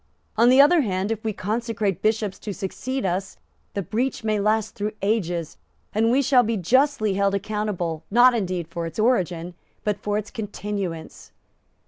On the other hand, if we consecrate Bishops to succeed us, the breach may last through ages, and we shall be justly held accountable, not indeed for its origin, but for its continuance."